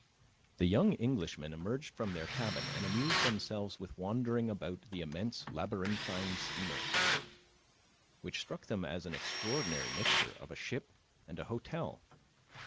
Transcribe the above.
The young Englishmen emerged from their cabin and amused themselves with wandering about the immense labyrinthine steamer, which struck them as an extraordinary mixture of a ship and a hotel.